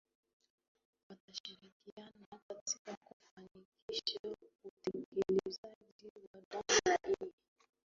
Watashirikiana katika kufanikisha utekelezaji wa dhana hii